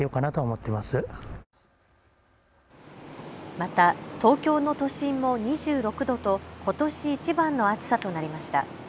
また東京の都心も２６度とことしいちばんの暑さとなりました。